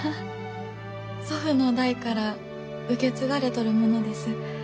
祖父の代から受け継がれとるものです。